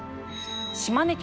島根県